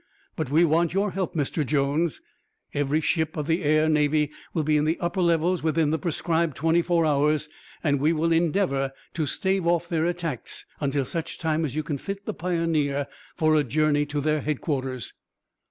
But we want your help, Mr. Jones. Every ship of the Air Navy will be in the upper levels within the prescribed twenty four hours, and we will endeavor to stave off their attacks until such time as you can fit the Pioneer for a journey to their headquarters."